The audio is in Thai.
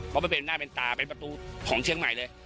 เพราะมันเป็นหน้าเป็นตาเป็นประตูของเชียงใหม่เลย